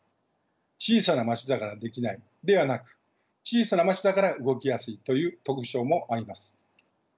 小さな町だからできないではなく小さな町だから動きやすいという特徴もあります。